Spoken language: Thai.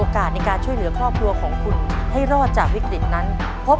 ขอบพระคุณครับ